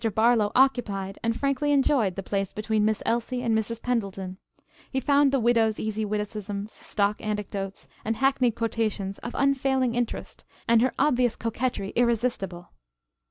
Barlow occupied, and frankly enjoyed the place between Miss Elsie and Mrs. Pendleton. He found the widow's easy witticisms, stock anecdotes and hackneyed quotations of unfailing interest and her obvious coquetry irresistible.